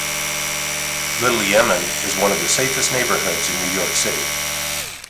Little Yemen is one of the safest neighborhoods in New York City.